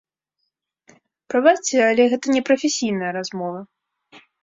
Прабачце, але гэта не прафесійная размова.